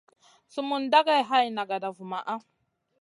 Sumun dagey hay nagada vumaʼa.